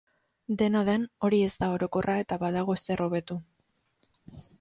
Dena den, hori ez da orokorra eta badago zer hobetu.